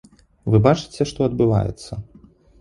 Вы бачыце, што адбываецца.